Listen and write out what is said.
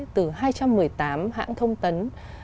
từ hai trăm một mươi tám hãng thông tấn